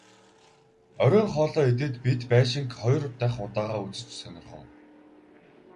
Оройн хоолоо идээд бид байшинг хоёр дахь удаагаа үзэж сонирхов.